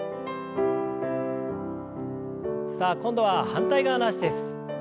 さあ今度は反対側の脚です。